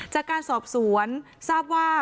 จากการสอบสวนทราบว่า